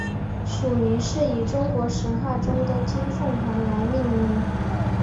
属名是以中国神话中的金凤凰来命名。